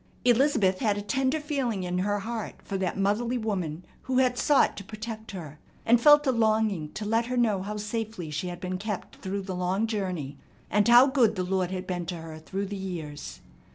Elizabeth had a tender feeling in her heart for that motherly woman who had sought to protect her, and felt a longing to let her know how safely she had been kept through the long journey and how good the Lord had been to her through the years.